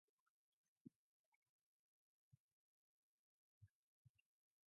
Regional television in Australia consists of independently owned networks 'affiliated' to metropolitan stations.